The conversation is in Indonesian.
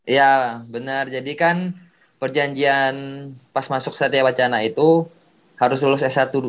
ya bener jadi kan perjanjian pas masuk satewacana itu harus lulus s satu